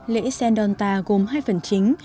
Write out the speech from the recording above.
lễ sendonta gồm hai phần chính